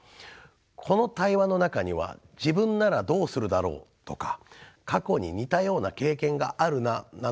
この対話の中には自分ならどうするだろうとか過去に似たような経験があるななどの感想も含まれます。